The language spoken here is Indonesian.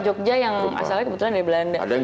jogja yang asalnya kebetulan dari belanda